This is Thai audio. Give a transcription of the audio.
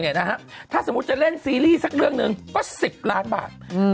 เนี่ยนะฮะถ้าสมมติจะเล่นซีรีส์สักเรื่องหนึ่งก็สิบล้านบาทอืม